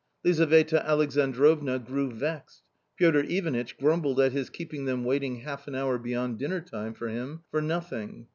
Lizaveta Alexandrovna grew vexed ; Piotr Ivanitch grumbled at his keeping them waiting half an hour beyond dinner time for him for nothing.